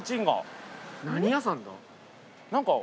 何屋さんだ？